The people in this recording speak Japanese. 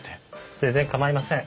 全然構いません。